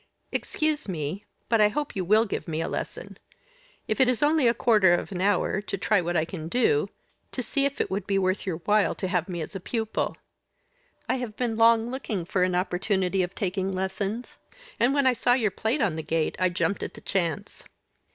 "Excuse me but I hope you will give me a lesson; if it is only of a quarter of an hour, to try what I can do to see if it would be worth your while to have me as a pupil. I have been long looking for an opportunity of taking lessons, and when I saw your plate on the gate I jumped at the chance."